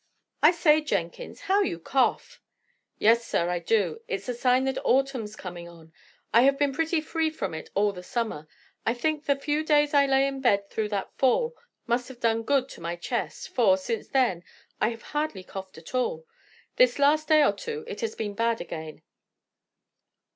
"I say, Jenkins, how you cough!" "Yes, sir, I do. It's a sign that autumn's coming on. I have been pretty free from it all the summer. I think the few days I lay in bed through that fall, must have done good to my chest; for, since then, I have hardly coughed at all. This last day or two it has been bad again."